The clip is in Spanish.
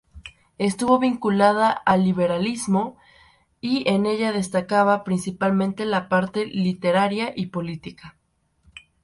Estuvo vinculada al liberalismo y en ella destacaba principalmente la parte literaria y política.